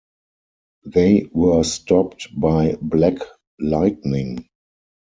They were stopped by Black Lightning.